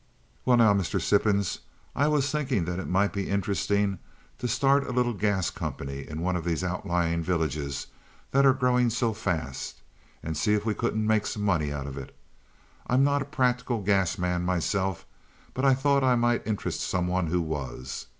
"Well, now, Mr. Sippens, I was thinking that it might be interesting to start a little gas company in one of these outlying villages that are growing so fast and see if we couldn't make some money out of it. I'm not a practical gas man myself, but I thought I might interest some one who was."